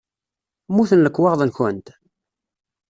Mmuten lekwaɣeḍ-nkent?